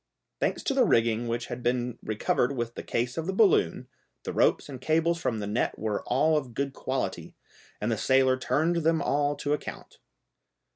Thanks to the rigging which had been recovered with the case of the balloon, the ropes and cables from the net were all of good quality, and the sailor turned them all to account.